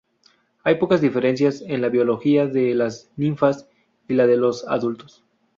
Hay pocas diferencias en la biología de las ninfas y la de los adultos.